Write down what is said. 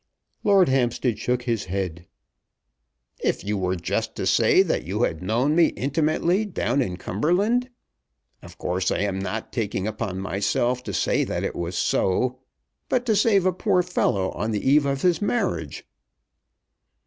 Lord Hampstead shook his head. "If you were just to say that you had known me intimately down in Cumberland! Of course I am not taking upon myself to say it was so, but to save a poor fellow on the eve of his marriage!"